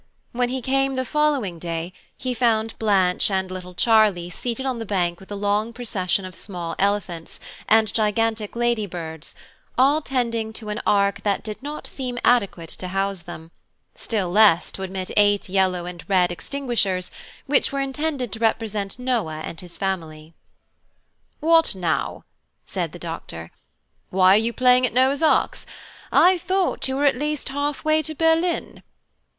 When he came the following day, he found Blanche and little Charlie seated on the bank with a long procession of small elephants, and gigantic lady birds, all tending to an ark that did not seem adequate to house them, still less to admit eight yellow and red extinguishers, which were intended to represent Noah and his family. "What now?" said the Doctor. "Why are you playing at Noah's arks? I thought you were at least half way to Berlin."